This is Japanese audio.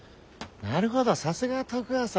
なるほどさすがは徳川様